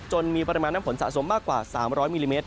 มีปริมาณน้ำฝนสะสมมากกว่า๓๐๐มิลลิเมตร